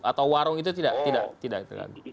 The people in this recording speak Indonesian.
atau warung itu tidak terganggu